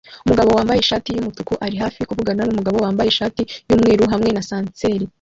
Umugabo wambaye ishati yumutuku ari hafi kuvugana numugabo wambaye ishati yumweru hamwe na sanseri